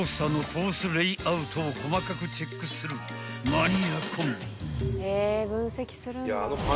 ［マニアコンビ］